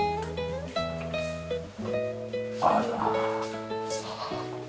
あら。